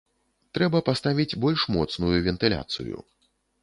Трэба паставіць больш моцную вентыляцыю.